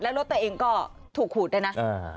แล้วรถตัวเองก็ถูกขูดด้วยนะ